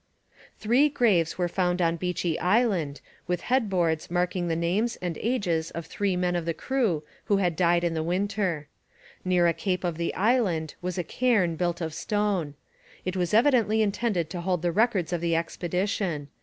Three graves were found on Beechey Island with head boards marking the names and ages of three men of the crew who had died in the winter. Near a cape of the island was a cairn built of stone. It was evidently intended to hold the records of the expedition.